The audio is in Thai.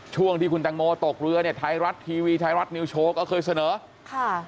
ช่วงที่คุณตังโมตกเรือเนี่ยไทยรัฐทีวีไทยรัฐนิวโชว์ก็เคยเสนอค่ะ